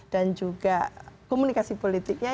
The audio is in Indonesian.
dan juga komunikasi politiknya